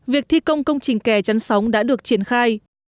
việc thi công công trình kè chăn sóng đã được triển khai